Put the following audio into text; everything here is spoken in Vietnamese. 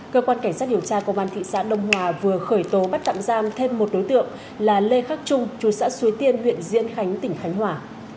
cơ quan cảnh sát điều tra công an thị xã đông hòa vừa khởi tố bắt tạm giam thêm một đối tượng là lê khắc trung chú xã suối tiên huyện diễn khánh tỉnh khánh hòa